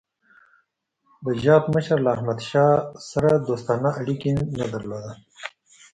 د جاټ مشر له احمدشاه سره دوستانه اړیکي نه درلودل.